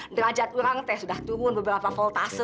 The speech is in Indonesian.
derajat ulang teh sudah turun beberapa voltase